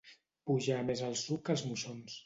Pujar més el suc que els moixons.